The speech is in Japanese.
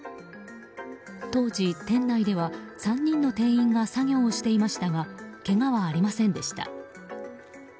当時、店内では３人の店員が作業をしていましたがけがはありませんでした。